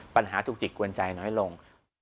ปัญหาถูกจิกกวนใจน้อยลง